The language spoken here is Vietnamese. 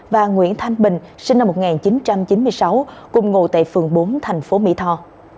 và nguyễn thanh bình sinh năm một nghìn chín trăm chín mươi sáu cùng ngồi tại phường bốn thành phố mỹ tho